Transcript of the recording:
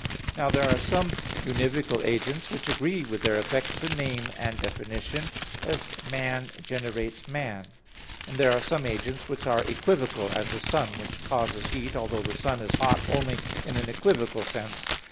Now there are some univocal agents which agree with their effects in name and definition, as man generates man; and there are some agents which are equivocal, as the sun which causes heat, although the sun is hot only in an equivocal sense.